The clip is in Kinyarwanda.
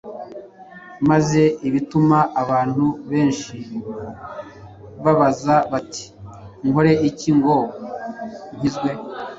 maze bituma abantu benshi babaza bati: “Nkore iki ngo nkizwe?”